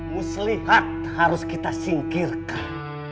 mus lihat harus kita singkirkan